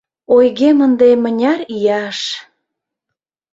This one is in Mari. Ойгем ынде мыняр ияш?